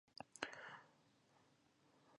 دا موسم ډېر ښه ده او هوا معتدله ده